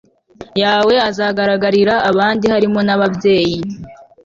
yawe azagaragarira abandi harimo n ababyeyi